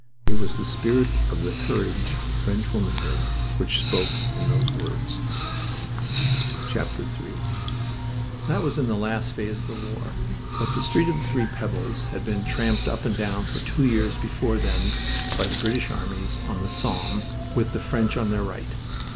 It was the spirit of the courage of French womanhood which spoke in those words. III That was in the last phase of the war, but the Street of the Three Pebbles had been tramped up and down for two years before then by the British armies on the Somme, with the French on their right.